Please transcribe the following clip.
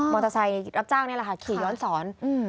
เตอร์ไซค์รับจ้างนี่แหละค่ะขี่ย้อนสอน